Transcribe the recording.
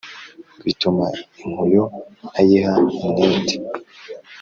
bituma inkuyo ntayiha umwete